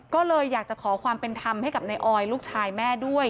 ก็เลยอยากจะขอความเป็นธรรมให้กับนายออยลูกชายแม่ด้วย